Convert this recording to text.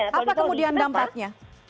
apa kemudian dampaknya